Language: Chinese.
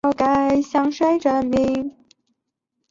这座教堂也是大教堂网的成员之一。